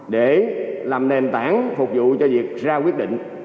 để làm nền tảng phục vụ cho việc ra quyết định